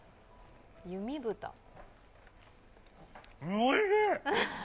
おいしい！